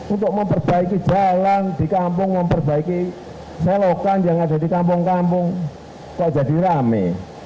untuk memperbaiki jalan di kampung memperbaiki selokan yang ada di kampung kampung kok jadi rame